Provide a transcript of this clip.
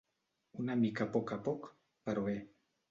Una mica a poc a poc, però bé.